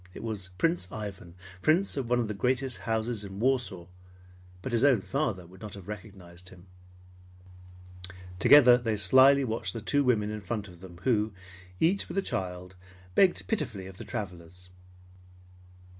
It was Prince Ivan, Prince of one of the greatest houses in Warsaw, but his own father would not have recognized him. Together they slyly watched the two women in front of them who, each with a child, begged pitifully of the travelers.